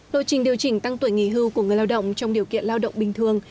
lộ trình điều chỉnh tăng tuổi nghỉ hưu của người lao động trong điều kiện lao động bình thường